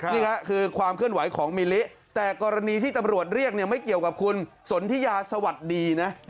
นี่ค่ะคือความเคลื่อนไหวของมิลิแต่กรณีที่ตำรวจเรียกเนี่ยไม่เกี่ยวกับคุณสนทิยาสวัสดีนะ